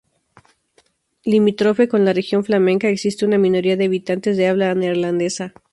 Limítrofe con la Región flamenca, existe una minoría de habitantes de habla neerlandesa.